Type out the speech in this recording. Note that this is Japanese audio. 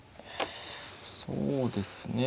そうですね。